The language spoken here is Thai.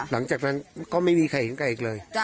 หลังจากนั้นก็ไม่มีใครเห็นใครอีกเลย